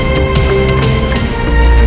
dan mitre terimakasih juga